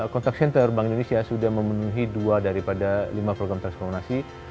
contact center bank indonesia sudah memenuhi dua daripada lima program transformasi